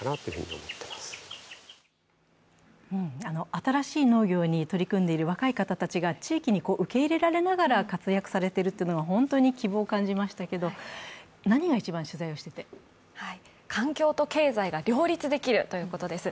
新しい農業に取り組んでいる若い人たちが地域に受け入れられながら活躍しているというのが本当に希望を感じましたけれども、環境と経済が両立しているということです。